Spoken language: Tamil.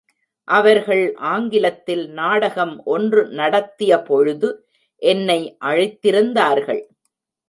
அவர்கள் ஆங்கிலத்தில் நாடகம் ஒன்று நடத்திய பொழுது என்னை அழைத்திருந்தார்கள்.